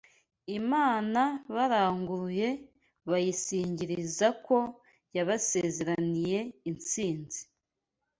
Imana baranguruye, bayisingiriza ko yabasezeraniye intsinzi.